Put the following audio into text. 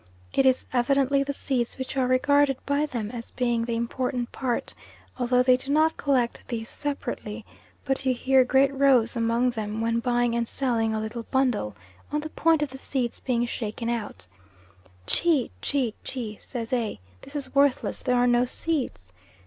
It is evidently the seeds which are regarded by them as being the important part, although they do not collect these separately; but you hear great rows among them when buying and selling a little bundle, on the point of the seeds being shaken out, "Chi! Chi! Chi!" says A., "this is worthless, there are no seeds."